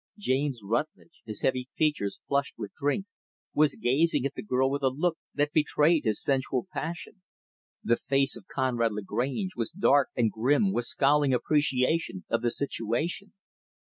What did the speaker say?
James Rutlidge, his heavy features flushed with drink, was gazing at the girl with a look that betrayed his sensual passion. The face of Conrad Lagrange was dark and grim with scowling appreciation of the situation.